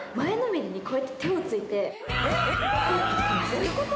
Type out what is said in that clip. どういうこと？